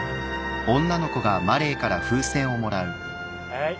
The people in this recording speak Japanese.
はい。